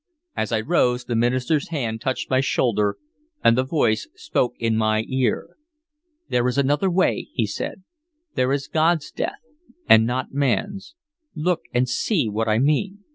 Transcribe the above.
As I rose, the minister's hand touched my shoulder and the voice spoke in my ear. "There is another way," he said. "There is God's death, and not man's. Look and see what I mean."